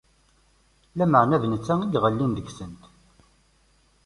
Lameɛna d netta i iɣellin deg-sent.